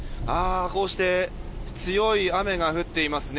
こうして強い雨が降っていますね。